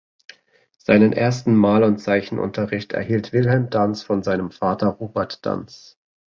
Seinen ersten Mal- und Zeichenunterricht erhielt Wilhelm Danz von seinem Vater Robert Danz.